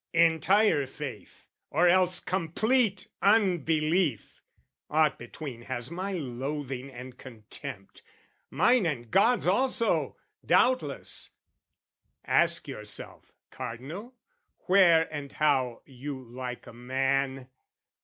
Entire faith, or else complete unbelief, Aught between has my loathing and contempt, Mine and God's also, doubtless: ask yourself, Cardinal, where and how you like a man!